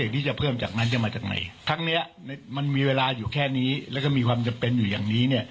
ทั้งนี้มันมีเวลาอยู่แค่นี้แล้วก็มีความจำเป็นอยู่อย่างนี้